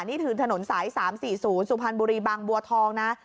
นี่คือถนนสาย๓๔๐สุพรรณบุรีบางบัวทองนะ